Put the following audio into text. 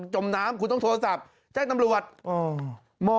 มน้ำคุณต้องโทรศัพท์แจ้งตำรวจ